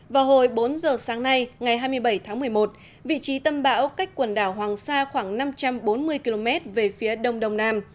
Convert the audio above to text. vào hồi bốn giờ sáng nay ngày hai mươi bảy tháng một mươi một vị trí tâm bão cách quần đảo hoàng sa khoảng năm trăm bốn mươi km về phía đông đông nam